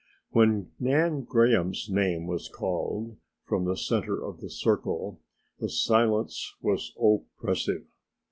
When Nan Graham's name was called from the center of the circle the silence was oppressive.